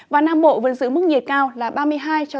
và nam bộ vẫn giữ mức nhiệt cao là ba mươi hai ba mươi bốn độ